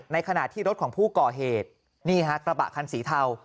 ขณะที่รถของผู้ก่อเหตุนี่ฮะกระบะคันสีเทา